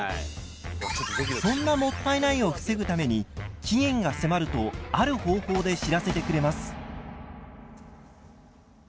そんなもったいないを防ぐために期限が迫るとある方法で知らせてくれます。